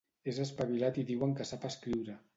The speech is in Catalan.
És espavilat i diuen que sap escriure.